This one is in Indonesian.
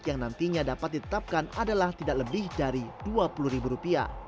yang nantinya dapat ditetapkan adalah tidak lebih dari rp dua puluh